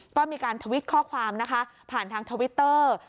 ก็มีการทวิตข้อความนะคะผ่านทางทวิตเตอร์